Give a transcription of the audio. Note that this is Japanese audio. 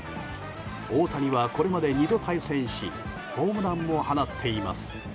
大谷は、これまで２度対戦しホームランも放っています。